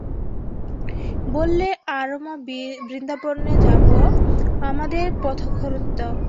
বললে, আরমা বৃন্দাবনে যাব, আমাদের পথখরচ দাও।